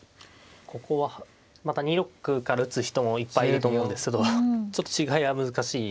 ここはまた２六から打つ人もいっぱいいると思うんですけどちょっと違いは難しい。